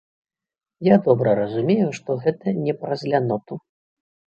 Я добра разумею, што гэта не праз ляноту.